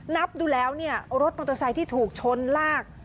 นับดูแล้วเนี่ยรถมอเตอร์ไซค์ที่ถูกชนลาก